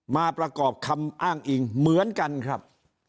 มาประกอบคำอ้างอิงเหมือนกันครับ